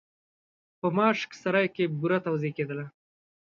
په ماشک سرای کې بوره توزېع کېدله.